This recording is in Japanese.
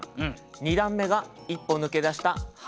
２段目が一歩抜け出した半ボン。